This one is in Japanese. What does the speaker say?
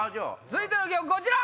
続いての曲こちら！